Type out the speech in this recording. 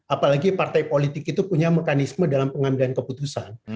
apalagi partai politik itu punya mekanisme dalam pengambilan keputusan